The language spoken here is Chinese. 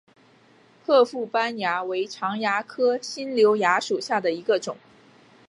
褐腹斑蚜为常蚜科新瘤蚜属下的一个种。